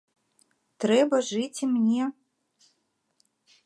Трэба жыць і мне.